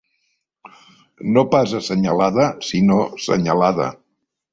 No pas assenyalada sinó senyalada.